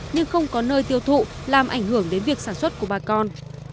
nhưng không có nơi tiêu thụ làm ảnh hưởng đến việc sản xuất của bà con